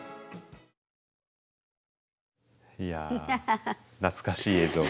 いや懐かしい映像が。